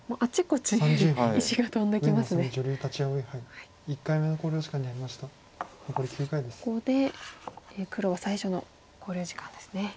ここで黒は最初の考慮時間ですね。